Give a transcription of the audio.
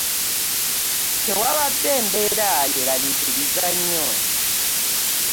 Tewabadde mbeera yeeraliikiriza nnyo.